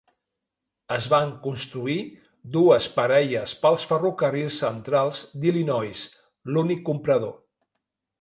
Es van construir dues parelles pels Ferrocarrils Centrals d'Illinois, l'únic comprador.